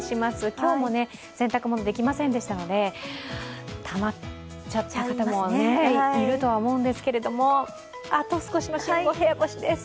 今日も洗濯物できませんでしたのでたまっちゃってる方もいるとは思うんですけれどもあと少しの辛坊、部屋干しです。